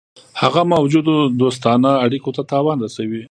هغه موجودو دوستانه اړېکو ته تاوان رسوي.